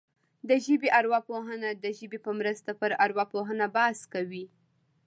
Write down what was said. د ژبې ارواپوهنه د ژبې په مرسته پر ارواپوهنه بحث کوي